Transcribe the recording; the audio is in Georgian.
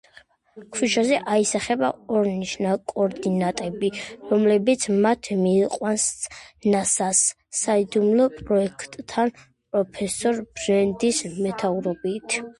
ქვიშაზე აისახება ორნიშნა კოორდინატები, რომლებიც მათ მიიყვანს ნასას საიდუმლო პროექტთან, პროფესორ ბრენდის მეთაურობით.